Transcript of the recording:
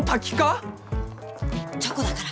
チョコだから！